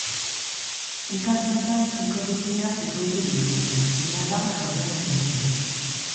Bi kasuetan, bikotekideak jipoitu dituzte, seme-alabak aurrean zirela.